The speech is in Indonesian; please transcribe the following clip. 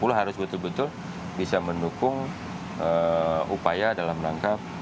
sepuluh harus betul betul bisa mendukung upaya dalam rangka